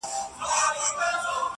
مبارک دي سه فطرت د پسرلیو.